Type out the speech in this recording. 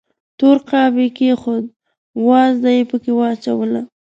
تور قاب یې کېښود، وازده یې پکې واچوله.